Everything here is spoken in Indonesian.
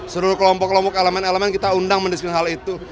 seluruh kelompok kelompok elemen elemen kita undang mendiskin hal itu